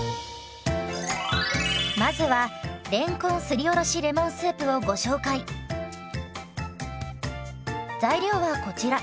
まずは材料はこちら。